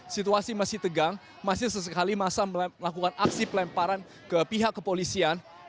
situasi masih tegang masih sesekali masa melakukan aksi pelemparan ke pihak kepolisian